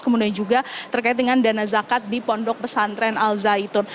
kemudian juga terkait dengan dana zakat di pondok pesantren al zaitun